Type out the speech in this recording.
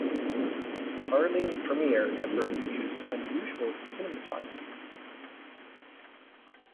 Carling Premier adverts used unusual cinematography.